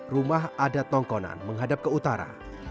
rumah adat tongkonan menghadap ke utara